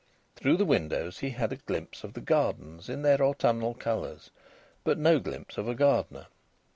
Through the windows he had glimpses of the gardens in their autumnal colours, but no glimpse of a gardener.